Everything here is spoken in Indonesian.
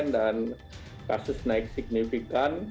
dan kasus naik signifikan